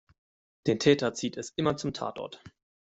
Den Täter zieht es immer zum Tatort.